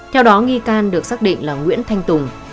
theo đó nghi can được xác định là nguyễn thanh tùng